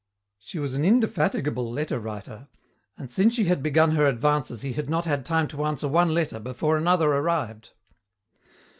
She was an indefatigable letter writer, and since she had begun her advances he had not had time to answer one letter before another arrived.